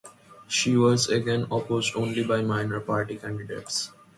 She was again opposed only by minor party candidates.